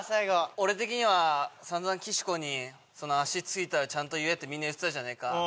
俺的には散々岸子に足ついたらちゃんと言え！ってみんな言ってたじゃねえか。